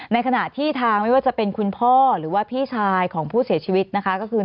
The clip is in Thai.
ในขณะที่ทางไม่ว่าจะเป็นคุณพ่อหรือว่าพี่ชายของผู้เสียชีวิตนะคะก็คือ